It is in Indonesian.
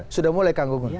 sudah mulai kangkungan